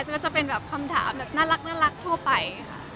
ก็เป็นคำถามนักรักทั่วไป